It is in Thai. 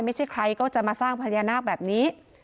ไม่ใช่ใครก็จะมาสร้างพญานาคแบบนี้